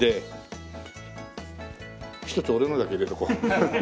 １つ俺のだけ入れとこう。